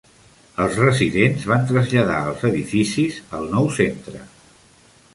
Els residents van traslladar els edificis al nou centre..